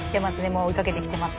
もう追いかけてきてますね。